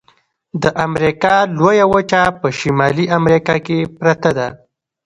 د امریکا لویه وچه په شمالي امریکا کې پرته ده.